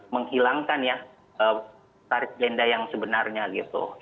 menghilangkan ya tarif denda yang sebenarnya gitu